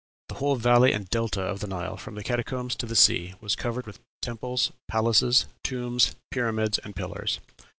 The whole valley and delta of the Nile, from the Catacombs to the sea, was covered with temples, palaces, tombs, pyramids, and pillars."